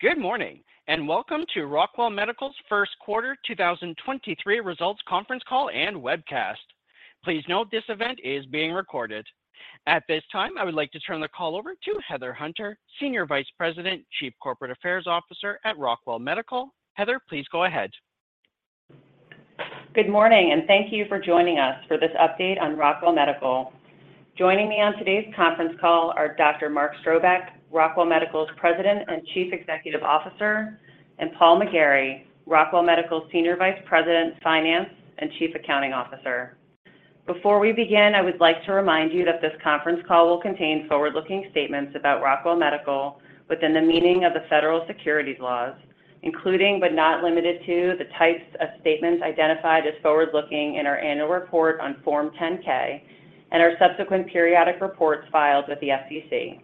Good morning, welcome to Rockwell Medical's 1st quarter 2023 results conference call and webcast. Please note this event is being recorded. At this time, I would like to turn the call over to Heather Hunter, Senior Vice President, Chief Corporate Affairs Officer at Rockwell Medical. Heather, please go ahead. Good morning, and thank you for joining us for this update on Rockwell Medical. Joining me on today's conference call are Dr. Mark Strobeck, Rockwell Medical's President and Chief Executive Officer, and Paul McGarry, Rockwell Medical's Senior Vice President, Finance and Chief Accounting Officer. Before we begin, I would like to remind you that this conference call will contain forward-looking statements about Rockwell Medical within the meaning of the federal securities laws, including, but not limited to, the types of statements identified as forward-looking in our annual report on Form 10-K and our subsequent periodic reports filed with the SEC.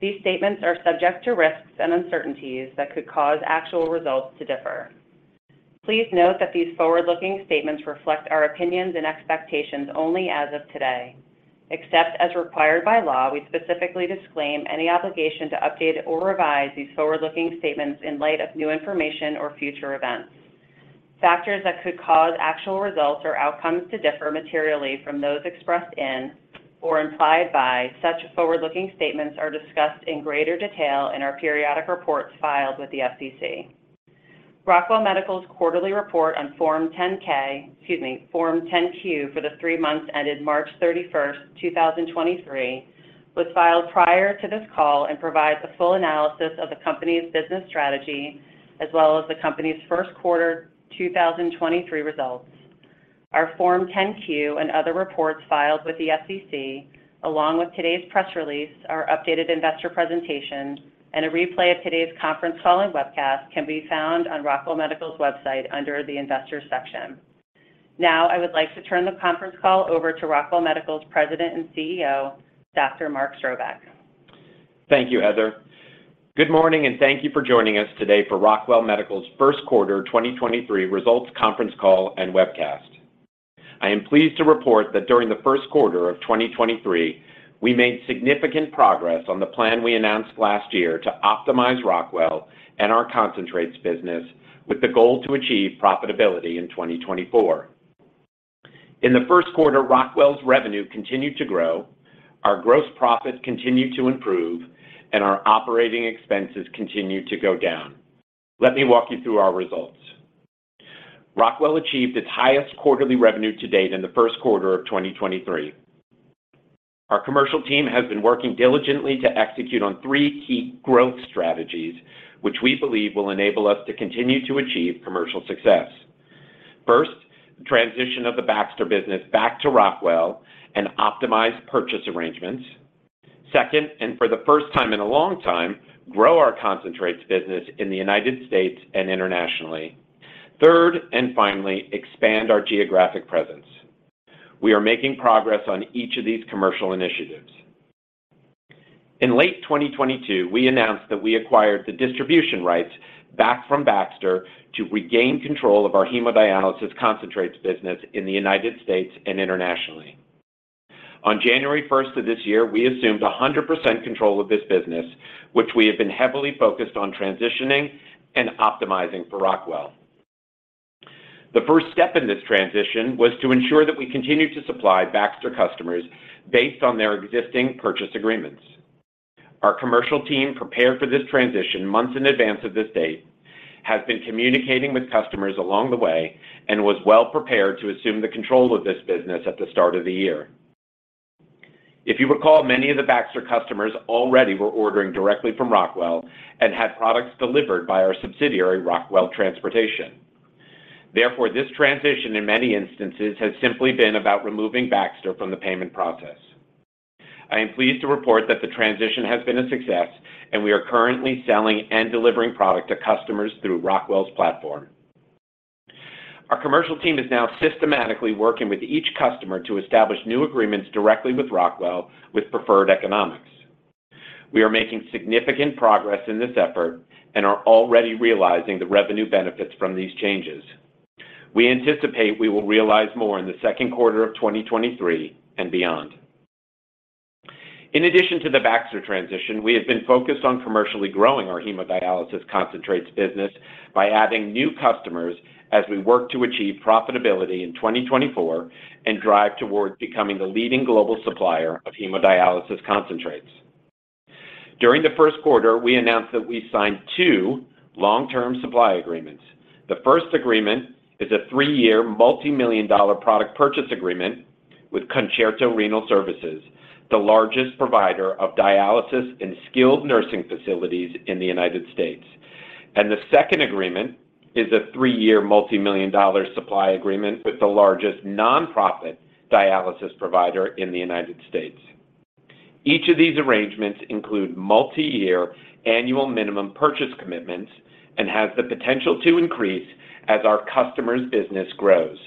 These statements are subject to risks and uncertainties that could cause actual results to differ. Please note that these forward-looking statements reflect our opinions and expectations only as of today. Except as required by law, we specifically disclaim any obligation to update or revise these forward-looking statements in light of new information or future events. Factors that could cause actual results or outcomes to differ materially from those expressed in or implied by such forward-looking statements are discussed in greater detail in our periodic reports filed with the SEC. Rockwell Medical's quarterly report on Form 10-K, excuse me, Form 10-Q for the three months ended March 31st, 2023, was filed prior to this call and provides a full analysis of the company's business strategy as well as the company's 1st quarter 2023 results. Our Form 10-Q and other reports filed with the SEC, along with today's press release, our updated investor presentation, and a replay of today's conference call and webcast can be found on Rockwell Medical's website under the Investors section. I would like to turn the conference call over to Rockwell Medical's President and CEO, Dr. Mark Strobeck. Thank you, Heather. Good morning, and thank you for joining us today for Rockwell Medical's first quarter 2023 results conference call and webcast. I am pleased to report that during the first quarter of 2023, we made significant progress on the plan we announced last year to optimize Rockwell and our concentrates business with the goal to achieve profitability in 2024. In the first quarter, Rockwell's revenue continued to grow, our gross profit continued to improve, and our operating expenses continued to go down. Let me walk you through our results. Rockwell achieved its highest quarterly revenue to date in the first quarter of 2023. Our commercial team has been working diligently to execute on three key growth strategies, which we believe will enable us to continue to achieve commercial success. First, transition of the Baxter business back to Rockwell and optimize purchase arrangements. Second, for the first time in a long time, grow our concentrates business in the United States and internationally. Third, finally, expand our geographic presence. We are making progress on each of these commercial initiatives. In late 2022, we announced that we acquired the distribution rights back from Baxter to regain control of our hemodialysis concentrates business in the United States and internationally. On January 1st of this year, we assumed 100% control of this business, which we have been heavily focused on transitioning and optimizing for Rockwell. The first step in this transition was to ensure that we continue to supply Baxter customers based on their existing purchase agreements. Our commercial team prepared for this transition months in advance of this date, has been communicating with customers along the way, and was well prepared to assume the control of this business at the start of the year. If you recall, many of the Baxter customers already were ordering directly from Rockwell and had products delivered by our subsidiary, Rockwell Transportation. Therefore, this transition in many instances has simply been about removing Baxter from the payment process. I am pleased to report that the transition has been a success and we are currently selling and delivering product to customers through Rockwell's platform. Our commercial team is now systematically working with each customer to establish new agreements directly with Rockwell with preferred economics. We are making significant progress in this effort and are already realizing the revenue benefits from these changes. We anticipate we will realize more in the second quarter of 2023 and beyond. In addition to the Baxter transition, we have been focused on commercially growing our hemodialysis concentrates business by adding new customers as we work to achieve profitability in 2024 and drive towards becoming the leading global supplier of hemodialysis concentrates. During the first quarter, we announced that we signed two long-term supply agreements. The first agreement is a 3-year multi-million dollar product purchase agreement with Concerto Renal Services, the largest provider of dialysis and skilled nursing facilities in the United States. The second agreement is a 3-year multi-million dollar supply agreement with the largest nonprofit dialysis provider in the United States. Each of these arrangements include multi-year annual minimum purchase commitments and has the potential to increase as our customer's business grows.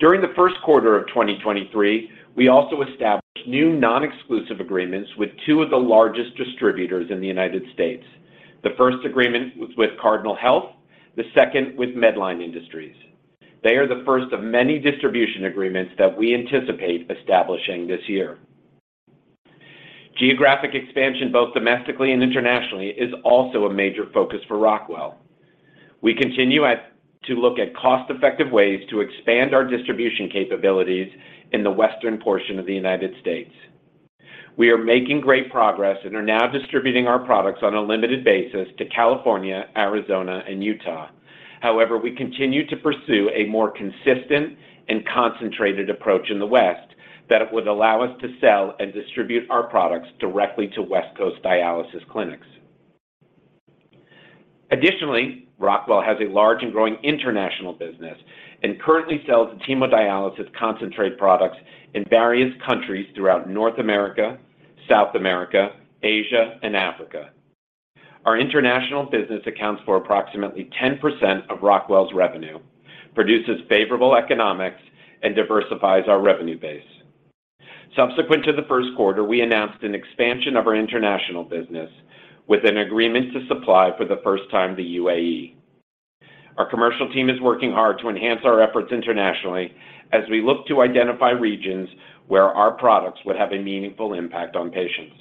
During the first quarter of 2023, we also established new non-exclusive agreements with two of the largest distributors in the United States. The first agreement was with Cardinal Health, the second with Medline Industries. They are the first of many distribution agreements that we anticipate establishing this year. Geographic expansion, both domestically and internationally, is also a major focus for Rockwell. We continue to look at cost-effective ways to expand our distribution capabilities in the western portion of the United States. We are making great progress and are now distributing our products on a limited basis to California, Arizona, and Utah. However, we continue to pursue a more consistent and concentrated approach in the West that would allow us to sell and distribute our products directly to West Coast dialysis clinics. Additionally, Rockwell has a large and growing international business and currently sells hemodialysis concentrate products in various countries throughout North America, South America, Asia, and Africa. Our international business accounts for approximately 10% of Rockwell's revenue, produces favorable economics, and diversifies our revenue base. Subsequent to the first quarter, we announced an expansion of our international business with an agreement to supply for the first time, the UAE. Our commercial team is working hard to enhance our efforts internationally as we look to identify regions where our products would have a meaningful impact on patients.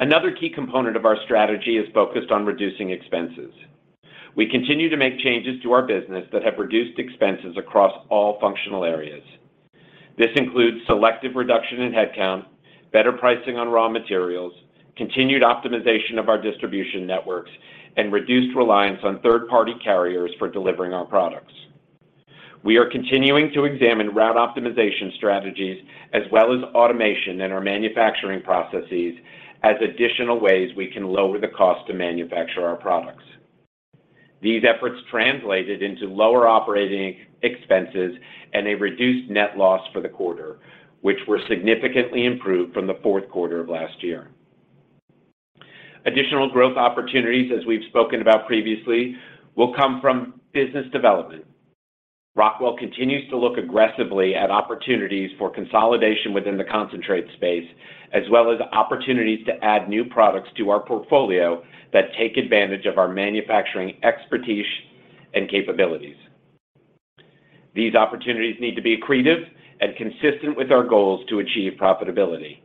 Another key component of our strategy is focused on reducing expenses. We continue to make changes to our business that have reduced expenses across all functional areas. This includes selective reduction in headcount, better pricing on raw materials, continued optimization of our distribution networks, and reduced reliance on third-party carriers for delivering our products. We are continuing to examine route optimization strategies as well as automation in our manufacturing processes as additional ways we can lower the cost to manufacture our products. These efforts translated into lower operating expenses and a reduced net loss for the quarter, which were significantly improved from the fourth quarter of last year. Additional growth opportunities, as we've spoken about previously, will come from business development. Rockwell continues to look aggressively at opportunities for consolidation within the concentrate space, as well as opportunities to add new products to our portfolio that take advantage of our manufacturing expertise and capabilities. These opportunities need to be accretive and consistent with our goals to achieve profitability.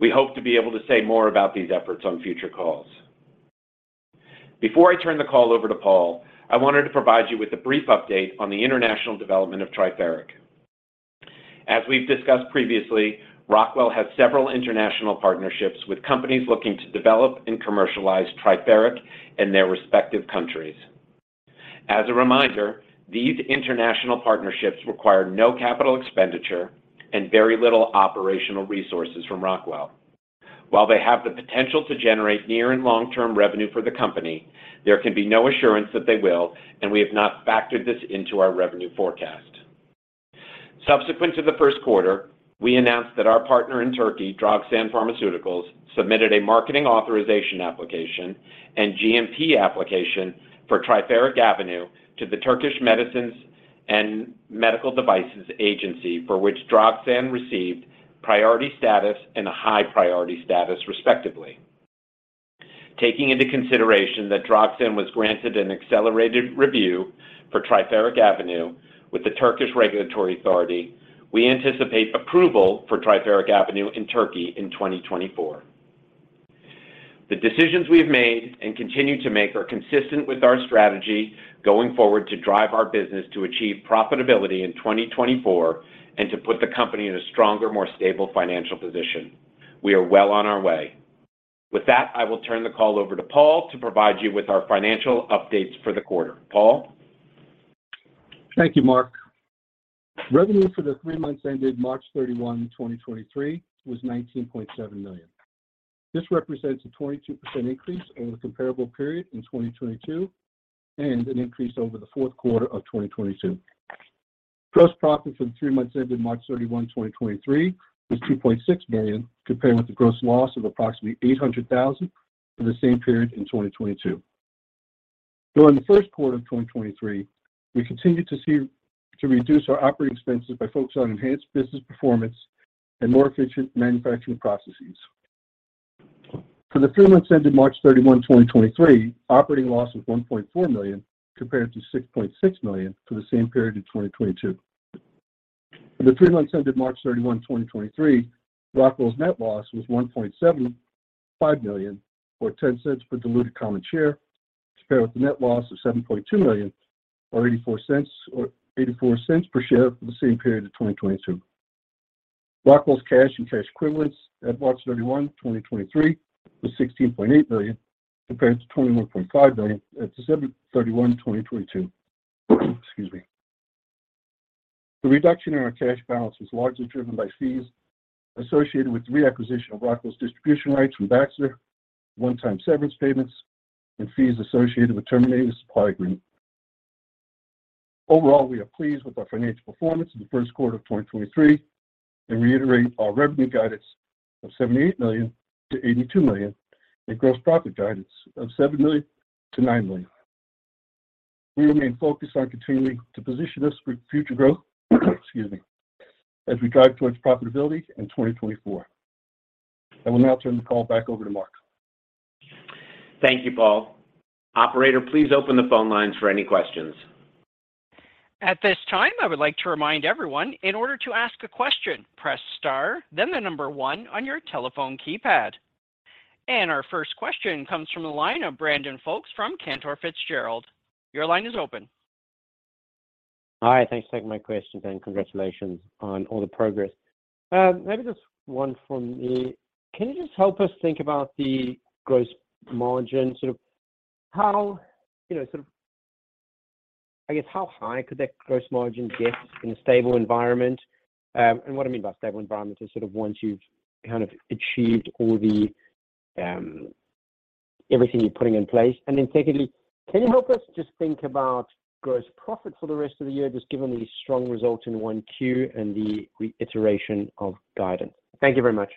We hope to be able to say more about these efforts on future calls. Before I turn the call over to Paul, I wanted to provide you with a brief update on the international development of Triferic. As we've discussed previously, Rockwell has several international partnerships with companies looking to develop and commercialize Triferic in their respective countries. As a reminder, these international partnerships require no capital expenditure and very little operational resources from Rockwell. While they have the potential to generate near and long-term revenue for the company, there can be no assurance that they will, and we have not factored this into our revenue forecast. Subsequent to the first quarter, we announced that our partner in Turkey, Drogsan Pharmaceuticals, submitted a Marketing Authorisation Application and GMP application for Triferic AVNU to the Turkish Medicines and Medical Devices Agency, for which Drogsan received priority status and a high priority status, respectively. Taking into consideration that Drogsan was granted an accelerated review for Triferic AVNU with the Turkish Regulatory Authority, we anticipate approval for Triferic AVNU in Turkey in 2024. The decisions we have made and continue to make are consistent with our strategy going forward to drive our business to achieve profitability in 2024 and to put the company in a stronger, more stable financial position. We are well on our way. With that, I will turn the call over to Paul to provide you with our financial updates for the quarter. Paul. Thank you, Mark. Revenue for the three months ended March 31, 2023 was $19.7 million. This represents a 22% increase over the comparable period in 2022 and an increase over the fourth quarter of 2022. Gross profit for the three months ended March 31, 2023 was $2.6 million, compared with a gross loss of approximately $800,000 for the same period in 2022. During the first quarter of 2023, we continued to reduce our operating expenses by focusing on enhanced business performance and more efficient manufacturing processes. For the three months ended March 31, 2023, operating loss was $1.4 million, compared to $6.6 million for the same period in 2022. For the three months ended March 31, 2023, Rockwell's net loss was $1.75 million, or $0.10 per diluted common share, compared with a net loss of $7.2 million or $0.84 per share for the same period in 2022. Rockwell's cash and cash equivalents at March 31, 2023 was $16.8 million, compared to $21.5 million at December 31, 2022. Excuse me. The reduction in our cash balance was largely driven by fees associated with the reacquisition of Rockwell's distribution rights from Baxter, one-time severance payments, and fees associated with terminating the supply agreement. Overall, we are pleased with our financial performance in the first quarter of 2023 and reiterate our revenue guidance of $78 million-$82 million and gross profit guidance of $7 million-$9 million. We remain focused on continuing to position us for future growth. Excuse me, as we drive towards profitability in 2024. I will now turn the call back over to Mark. Thank you, Paul. Operator, please open the phone lines for any questions. At this time, I would like to remind everyone in order to ask a question, press star, then the number one on your telephone keypad. Our first question comes from the line of Brandon Folkes from Cantor Fitzgerald. Your line is open. Hi. Thanks for taking my questions, and congratulations on all the progress. Maybe just one from me. Can you just help us think about the gross margin, sort of how, you know, sort of, I guess, how high could that gross margin get in a stable environment? What I mean by stable environment is sort of once you've kind of achieved all the, everything you're putting in place. Secondly, can you help us just think about gross profit for the rest of the year, just given the strong results in 1Q and the reiteration of guidance? Thank you very much.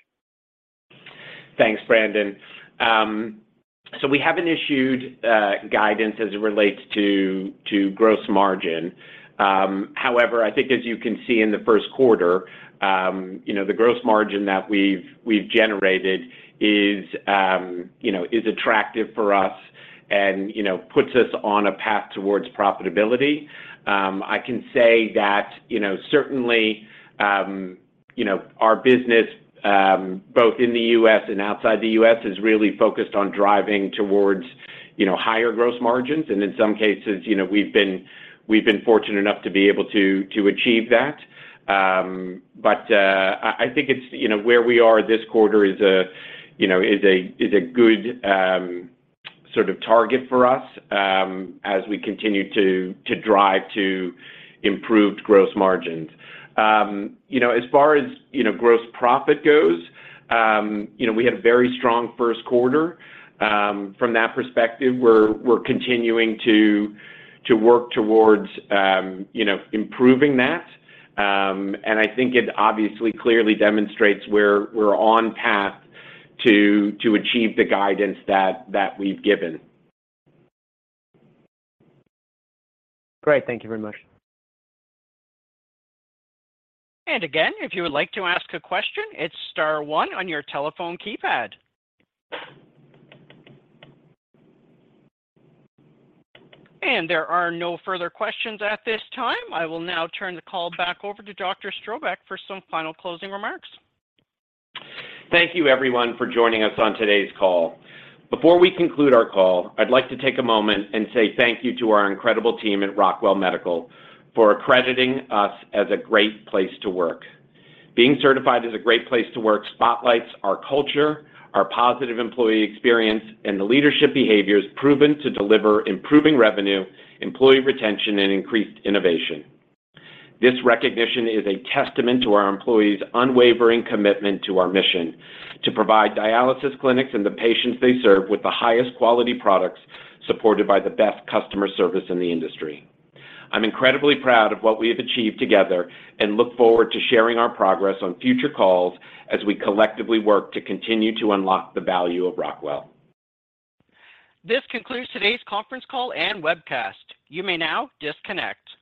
Thanks, Brandon. We haven't issued guidance as it relates to gross margin. However, I think as you can see in the first quarter, you know, the gross margin that we've generated is, you know, is attractive for us and, you know, puts us on a path towards profitability. I can say that, you know, certainly, you know, our business, both in the U.S. and outside the U.S. is really focused on driving towards, you know, higher gross margins. In some cases, you know, we've been fortunate enough to be able to achieve that. I think it's, you know, where we are this quarter is a, you know, is a good, sort of target for us, as we continue to drive to improved gross margins. You know, as far as, you know, gross profit goes, you know, we had a very strong first quarter from that perspective. We're continuing to work towards, you know, improving that. I think it obviously clearly demonstrates we're on path to achieve the guidance that we've given. Great. Thank you very much. Again, if you would like to ask a question, it's star one on your telephone keypad. There are no further questions at this time. I will now turn the call back over to Dr. Strobeck for some final closing remarks. Thank you everyone for joining us on today's call. Before we conclude our call, I'd like to take a moment and say thank you to our incredible team at Rockwell Medical for accrediting us as a Great Place To Work. Being certified as a Great Place To Work spotlights our culture, our positive employee experience, and the leadership behaviors proven to deliver improving revenue, employee retention, and increased innovation. This recognition is a testament to our employees' unwavering commitment to our mission to provide dialysis clinics and the patients they serve with the highest quality products, supported by the best customer service in the industry. I'm incredibly proud of what we have achieved together and look forward to sharing our progress on future calls as we collectively work to continue to unlock the value of Rockwell. This concludes today's conference call and webcast. You may now disconnect.